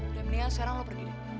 udah mendingan sekarang lu pergi